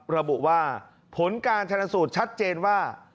ระบุว่าผลการชนสูตรชัดเจนว่า